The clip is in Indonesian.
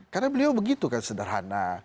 karena beliau begitu kan sederhana